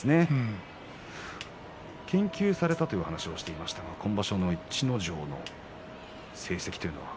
研究されたという話をしていましたが今場所の逸ノ城の成績というのは。